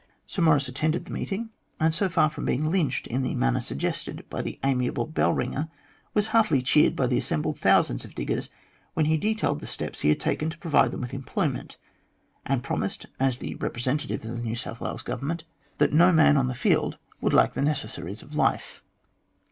Sir Maurice attended the meeting, and so far from being lynched in the manner suggested by the amiable bell ringer, was heartily cheered by the assembled thousands of diggers when he detailed the steps he had taken to provide them with employment, and promised, as the representative of the New South Wales Govern 124 THE GLADSTONE COLONY ment, that no man on the field would lack the necessaries of life.